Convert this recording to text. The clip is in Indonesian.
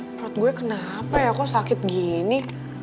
menurut gue kenapa ya kok sakit gini